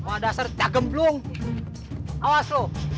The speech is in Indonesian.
ada apa pak